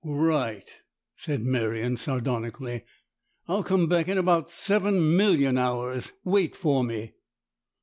" Right," said Merion, sardonically. " I'll come back in about seven million hours. Wait for me."